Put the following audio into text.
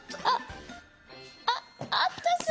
あっあった！